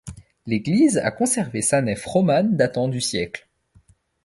L'église a conservé sa nef romane datant du siècle.